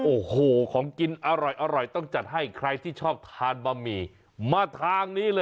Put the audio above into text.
โอ้โหของกินอร่อยต้องจัดให้ใครที่ชอบทานบะหมี่มาทางนี้เลย